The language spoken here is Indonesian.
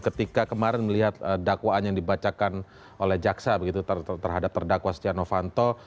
ketika kemarin melihat dakwaan yang dibacakan oleh jaksa begitu terhadap terdakwa stiano fanto